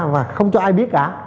mà không cho ai biết cả